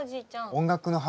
音楽の幅。